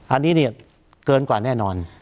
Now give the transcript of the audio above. อันนี้เนี่ยเกินกว่าแน่นอน